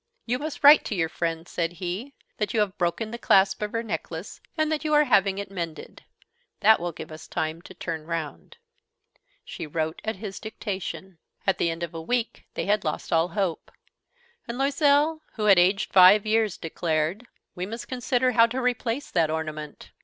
"You must write to your friend," said he, "that you have broken the clasp of her necklace and that you are having it mended. That will give us time to turn round." She wrote at his dictation. At the end of a week they had lost all hope. And Loisel, who had aged five years, declared: "We must consider how to replace that ornament."